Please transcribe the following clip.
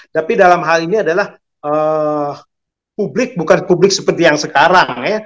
tapi dalam hal ini adalah publik bukan publik seperti yang sekarang ya